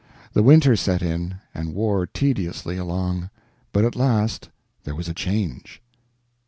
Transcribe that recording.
The winter set in, and wore tediously along; but at last there was a change.